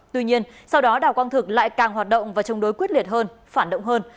tuy nhiên sau đó đào quang thực lại càng hoạt động và chống đối quyết liệt hơn phản động hơn